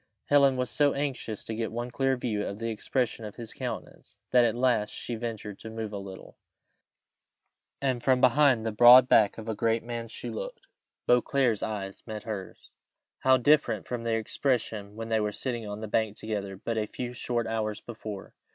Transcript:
Helen was so anxious to get one clear view of the expression of his countenance, that at last she ventured to move a little, and from behind the broad back of a great man she looked: Beauclerc's eyes met hers. How different from their expression when they were sitting on the bank together but a few short hours before!